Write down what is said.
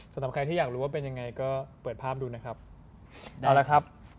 สำหรับใครที่อยากรู้ว่าเป็นยังไงก็เปิดภาพดูนะครับเอาละครับ